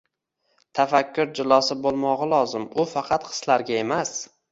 tafakkur jilosi bo‘lmog‘i lozim, u faqat hislarga emas